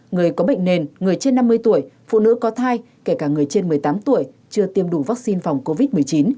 người có bệnh nền người trên năm mươi tuổi phụ nữ có thai kể cả người trên một mươi tám tuổi chưa tiêm đủ vaccine phòng covid một mươi chín